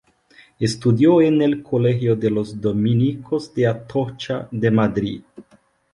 Estudió en el colegio de los dominicos de Atocha de Madrid.